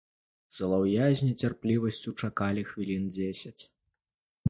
Салаўя з нецярплівасцю чакалі хвілін дзесяць.